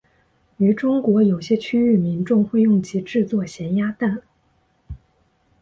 于中国有些区域民众会用其制作咸鸭蛋。